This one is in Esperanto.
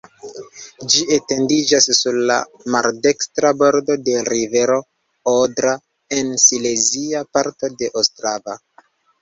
Ĝi etendiĝas sur la maldekstra bordo de rivero Odra en silezia parto de Ostrava.